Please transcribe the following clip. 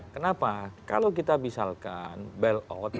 kenapa kalau kita misalkan bail out